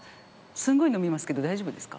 すごい飲みますけど大丈夫ですか？